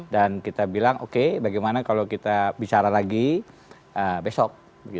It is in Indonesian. dan kita bilang oke bagaimana kalau kita bicara lagi besok